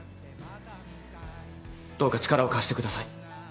どうか力を貸してください。